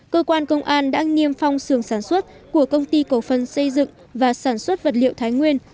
cơ quan công an đã nghiêm phong sường sản xuất của công ty cổ phân xây dựng và sản xuất vật liệu thái nguyên